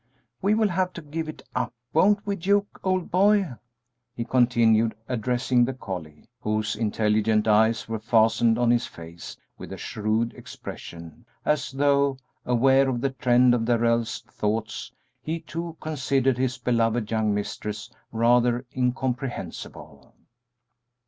We will have to give it up, won't we, Duke, old boy?" he continued, addressing the collie, whose intelligent eyes were fastened on his face with a shrewd expression, as though, aware of the trend of Darrell's thoughts, he, too, considered his beloved young mistress rather incomprehensible.